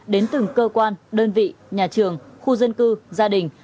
đến từng cơ quan đơn vị nhà trường khu dân cư gia đình